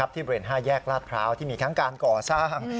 ที่เปลี่ยนห้าแยกลาดพร้าวที่มีทั้งการก่อสร้าง